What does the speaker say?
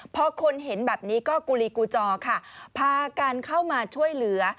พอคนเห็นแบบนี้ก็กุลีกูจอค่ะพากันเข้ามาช่วยเหลือ